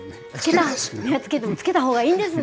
つけたほうがいいんですね。